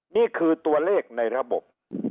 นี่คือตัวเลขในระบบ